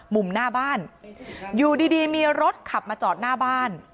มุมหน้าบ้านอยู่ดีมีรถขับมาจอดหน้าบ้าน